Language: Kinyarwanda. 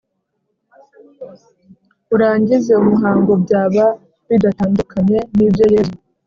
urangize umuhango byaba bidatandukanye n’ibyo yezu